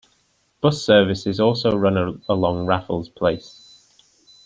Bus services also run along Raffles Place.